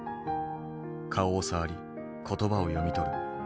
顔を触り言葉を読み取る。